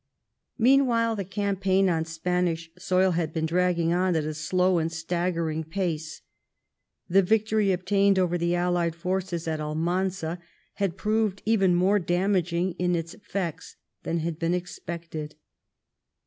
Meanwhile the campaign on Spanish soil had been dragging on at a slow and staggering pace. The victory obtained over the aUied forces at Almanza had proved even more damaging in its effects than had been expected.